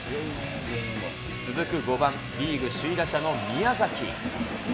続く５番、リーグ首位打者の宮崎。